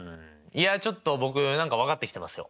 いやちょっと僕何か分かってきてますよ！